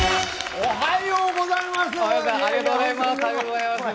おはようございます。